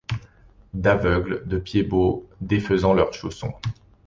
D’aveugles, de pieds-bots défaisant leurs chaussons